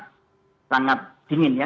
suhu yang sangat dingin ya